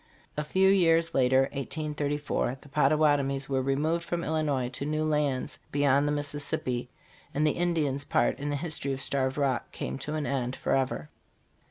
A few years later (1834) the Pottawatomies were removed from Illinois to new lands beyond the Mississippi ; and the Indian's part in the history of Starved Rock came to an end forever.